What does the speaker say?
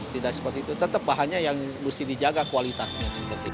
tidak seperti itu tetap bahannya yang mesti dijaga kualitasnya